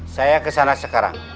saya kesana sekarang